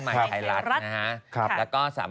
ใหม่